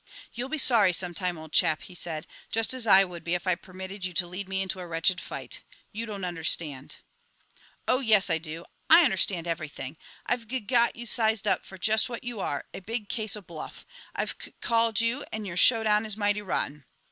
"You'll be sorry some time, old chap," he said, "just as I would be if I permitted you to lead me into a wretched fight. You don't understand " "Oh, yes I do; I understand everything. I've gug got you sized up for just what you are, a big case of bluff. I've cuc called you, and your show down is mighty rotten.